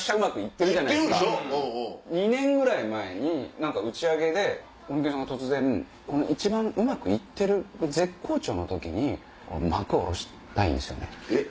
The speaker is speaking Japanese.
２年ぐらい前に打ち上げでゴリけんさんが突然「一番うまく行ってる絶好調の時に幕下ろしたいんですよね」。